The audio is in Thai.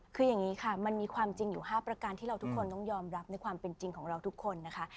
คืออย่างนี้ค่ะมันมีความจริงอยู่๕ประการที่เราทุกคนต้องยอมรับในความเป็นจริงของเราทุกคนนะคะ